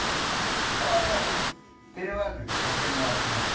たまにあのテレワークで貸してもらってます。